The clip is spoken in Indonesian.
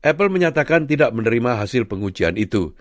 apple menyatakan tidak menerima hasil pengujian itu